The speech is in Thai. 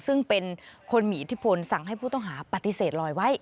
ซึ่งเป็นคนมีอิทธิพลสั่งให้ผู้ต้องหาปฏิเสธลอยไว้